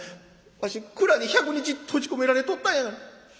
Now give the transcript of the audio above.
わし蔵に１００日閉じ込められとったんや」。